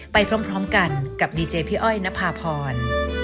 ไปพร้อมกันกับดีเจพี่อ้อยนภาพร